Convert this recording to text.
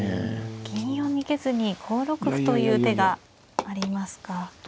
銀を逃げずに５六歩という手がありますか。